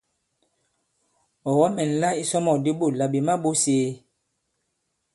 Ɔ̀ kɔ-mɛ̀nla isɔmɔ̂k di ɓôt là "ɓè ma-ɓōs ēe?".